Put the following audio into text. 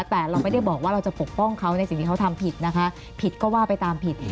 แต่เราไม่ได้บอกว่าเราจะปกป้องเขาในสิ่งที่เขาทำผิดนะคะผิดก็ว่าไปตามผิด